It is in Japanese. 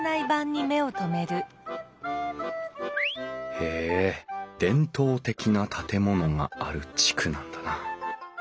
へえ伝統的な建物がある地区なんだな。